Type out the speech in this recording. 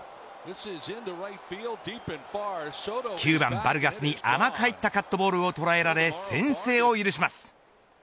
９番バルガスに甘く入ったカットボールを捉えられ先制を許します。